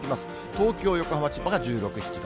東京、横浜、千葉が１６、７度。